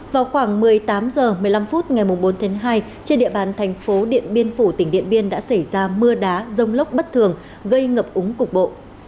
vào khoảng một mươi tám h một mươi năm phút ngày bốn tháng hai trên địa bàn thành phố điện biên phủ tỉnh điện biên đã xảy ra mưa đá rông lốc bất thường gây ngập úng cục bộ